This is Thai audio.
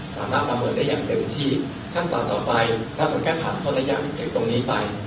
สามารถประเมินได้อย่างเดิมที่ขั้นตอนต่อไปถ้ามันก็ผ่านพอตะยังจากตรงนี้ไป